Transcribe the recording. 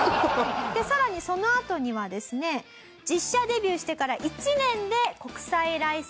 さらにそのあとにはですね実車デビューしてから１年で国際ライセンスを取ります。